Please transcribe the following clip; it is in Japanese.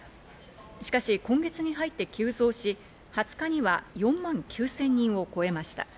しかし今月に入って急増し、２０日には４万９０００人を超えました。